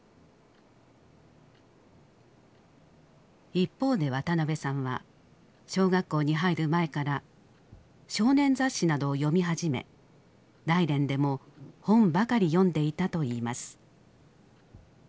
一方で渡辺さんは小学校に入る前から少年雑誌などを読み始め大連でも本ばかり読んでいたといいます。